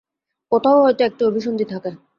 কোথাও হয়তো একটি অভিসন্ধি থাকে।